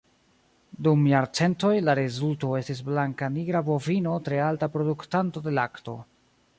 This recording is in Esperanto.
Dum jarcentoj, la rezulto estis blankanigra bovino tre alta produktanto de lakto.